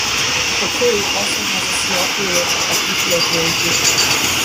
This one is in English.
Ofakim also has a small community of Ethiopian Jews.